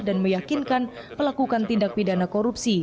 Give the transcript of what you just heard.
dan meyakinkan pelakukan tindak pidana korupsi